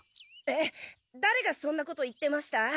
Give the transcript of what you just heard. えっだれがそんなこと言ってました？